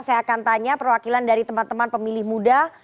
saya akan tanya perwakilan dari teman teman pemilih muda